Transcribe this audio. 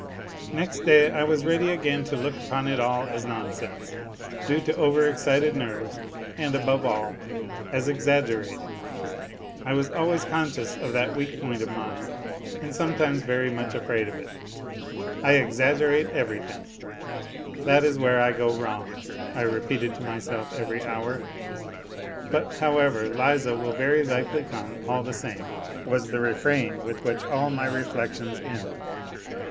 Next day I was ready again to look upon it all as nonsense, due to over excited nerves, and, aBove all, as exaggerated. I was always conscious of that weak point of mine, and sometimes very much afraid of it. "I exaggerate everything, that is where I go wrong," I repeated to myself every hour. But, however, " Liza will very likely come all the same," was the refrain with which all my reflections ended.